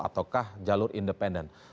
ataukah jalur independen